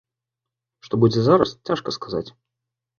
Што будзе зараз, цяжка сказаць.